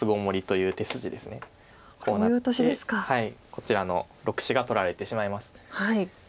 こちらの６子が取られてしまいます。